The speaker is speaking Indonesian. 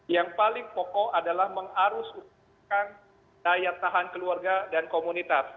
yang paling pokok adalah mengarus utamakan daya tahan keluarga dan komunitas